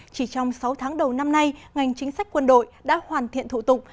chỉ trong sáu tháng đầu năm nay ngành chính sách quân đội đã hoàn thiện thủ tục